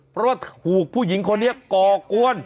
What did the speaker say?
เพราะว่าถูกผู้หญิงคนนี้ก่อกวน